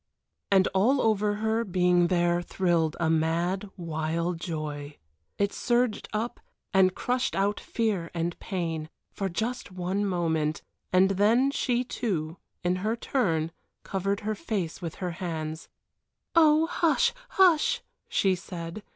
And all over her being there thrilled a mad, wild joy. It surged up and crushed out fear and pain for just one moment and then she too, in her turn, covered her face with her hands. "Oh, hush! hush!" she said.